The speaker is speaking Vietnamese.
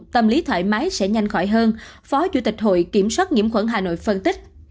tâm lý thoải mái sẽ nhanh khỏi hơn phó chủ tịch hội kiểm soát nhiễm khuẩn hà nội phân tích